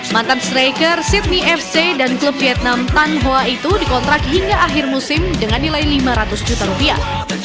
mantan striker sydney fc dan klub vietnam tan hoa itu dikontrak hingga akhir musim dengan nilai lima ratus juta rupiah